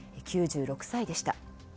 ９６歳でした。